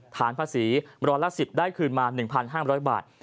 ฐานภาษีร้อยละ๑๐ได้คืนมา๑๕๐๐บาท